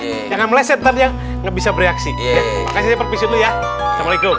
leher belakangnya jangan meleset ntar yang bisa bereaksi makasih perpisuh ya assalamualaikum